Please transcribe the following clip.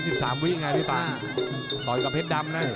ถอยกับแพ็ดดำนะ